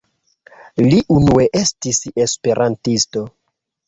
Li unue estis Esperantisto.